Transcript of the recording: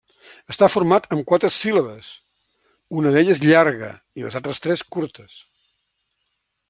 Està format amb quatre síl·labes, una d'elles llarga i les altres tres curtes.